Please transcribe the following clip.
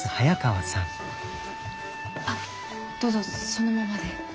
あっどうぞそのままで。